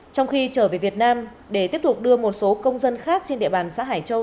trong khi trở về việt nam để tiếp tục đưa một số công dân khác trên địa bàn xã hải châu